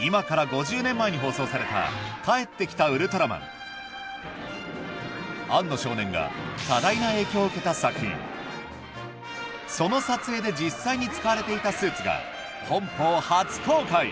今から５０年前に放送された庵野少年が多大な影響を受けた作品その撮影で実際に使われていたスーツが本邦初公開！